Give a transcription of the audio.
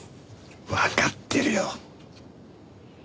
わかってるよ。